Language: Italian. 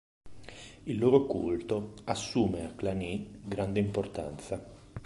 Il loro culto assume a Cluny grande importanza.